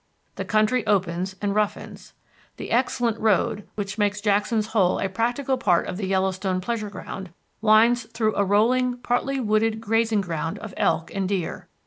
The country opens and roughens. The excellent road, which makes Jackson's Hole a practical part of the Yellowstone pleasure ground, winds through a rolling, partly wooded grazing ground of elk and deer.